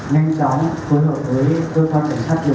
nhằm giáo dục nhằm giám đe